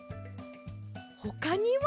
ほかには？